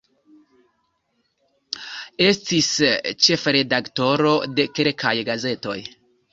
Estis ĉefredaktoro de kelkaj gazetoj.